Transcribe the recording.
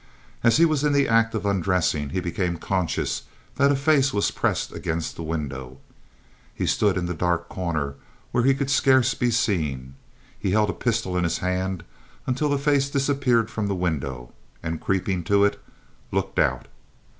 As he was in the act of undressing, he became conscious that a face was pressed against the window. He stood in the dark corner where he could scarce be seen. He held a pistol in his hand until the face disappeared from the window, and creeping to it, looked out.